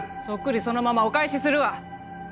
そっくりそのままお返しするわ！